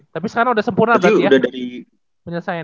tapi sekarang udah sempurna berarti ya